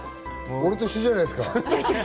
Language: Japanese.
俺と一緒じゃないですか。